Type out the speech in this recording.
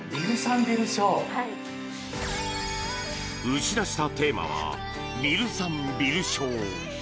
打ち出したテーマはビル産ビル消。